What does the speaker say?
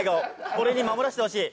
俺に守らせてほしい。